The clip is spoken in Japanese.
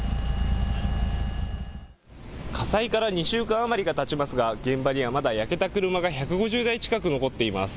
火災から２週間余りがたちますが現場にはまだ焼けた車が１５０台近く残っています。